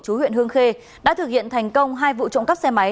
chú huyện hương khê đã thực hiện thành công hai vụ trộm cắp xe máy